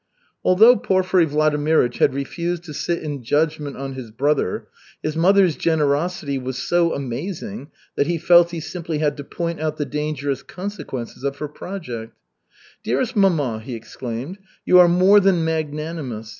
Although Porfiry Vladimirych had refused to sit in judgment on his brother, his mother's generosity was so amazing that he felt he simply had to point out the dangerous consequences of her project. "Dearest mamma," he exclaimed, "you are more than magnanimous.